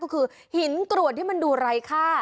ก็คือหินกรวดที่มันดูไร้ค่า